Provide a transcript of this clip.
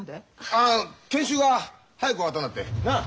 ああ研修は早く終わったんだって。なあ？